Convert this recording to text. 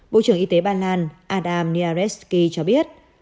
bộ trưởng y tế bàn lan adam niarewski cho biết